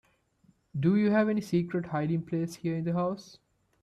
Do you have any secret hiding place here in the house?